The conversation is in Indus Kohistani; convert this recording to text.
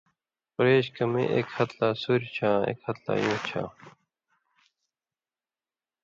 (قریش) کہ میں اېک ہَتہۡ لا سُوریۡ چھاں آں اېک ہتہۡ لا یُوں چھاں،